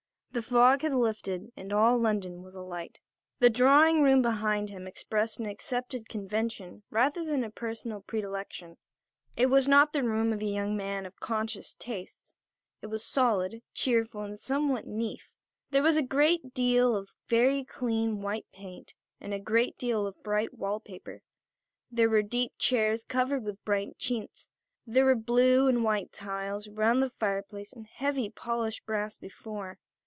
The fog had lifted, and all London was alight. The drawing room behind him expressed an accepted convention rather than a personal predilection. It was not the room of a young man of conscious tastes. It was solid, cheerful and somewhat naif. There was a great deal of very clean white paint and a great deal of bright wall paper. There were deep chairs covered with brighter chintz. There were blue and white tiles around the fireplace and heavy, polished brass before.